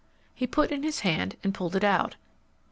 He put in his hand and pulled it out.